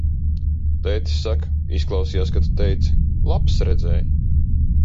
Tētis saka: izklausījās, ka Tu teici: laps redzēj?